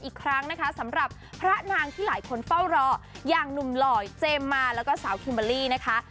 อีกครั้งนะคะสำหรับพระนางที่หลายคนเฝ้ารออย่างหนุ่มหล่อยเจมส์มาแล้วก็สาวคิมเบอร์รี่นะคะ